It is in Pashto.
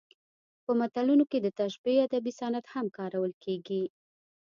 په متلونو کې د تشبیه ادبي صنعت هم کارول کیږي